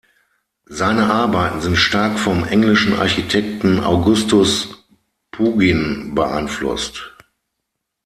Seine Arbeiten sind stark vom englischen Architekten Augustus Pugin beeinflusst.